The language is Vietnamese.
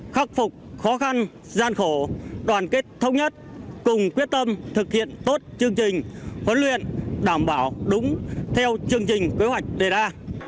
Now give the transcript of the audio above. khắc phục khó khăn gian khổ đoàn kết thống nhất cùng quyết tâm thực hiện tốt chương trình huấn luyện đảm bảo đúng theo chương trình kế hoạch đề ra